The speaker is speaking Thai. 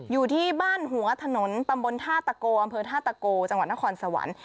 อยู่ที่บ้านหัวถนนตำบลท่าตะโกอำเภอท่าตะโกจังหวัดนครสวรรค์